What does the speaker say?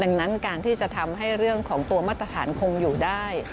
ดังนั้นการที่จะทำให้เรื่องของตัวมาตรฐานคงอยู่ได้